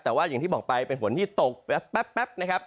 แต่ว่าอย่างที่บอกไปเป็นฝนที่ตกแป๊บนะครับ